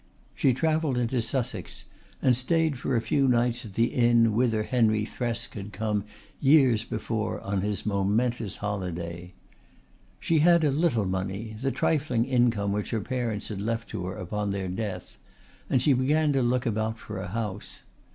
She travelled into Sussex and stayed for a few nights at the inn whither Henry Thresk had come years before on his momentous holiday. She had a little money the trifling income which her parents had left to her upon their death and she began to look about for a house.